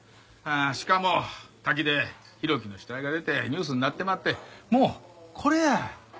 しかも滝で浩喜の死体が出てニュースになってまってもうこれや。